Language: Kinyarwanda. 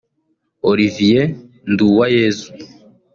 Olivier Nduwayezu